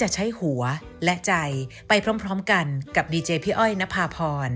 สวัสดีค่ะ